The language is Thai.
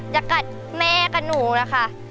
จะกัดแม่กับหนูนะคะ